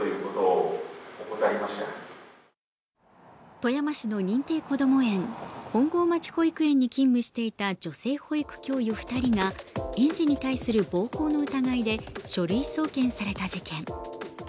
富山市の認定こども園本郷町保育園に勤務していた女性保育教諭２人が園児に対する暴行の疑いで書類送検された事件。